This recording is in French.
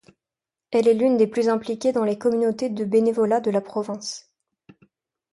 Elle est l'une des plus impliquée dans les communautés de bénévolat de la province.